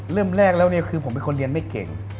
เริ่มแรกแล้วเนี่ยคือผมเป็นคนเรียนไม่เก่ง